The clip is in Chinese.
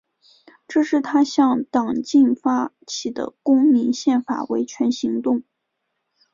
这是他向党禁发起的公民宪法维权行动。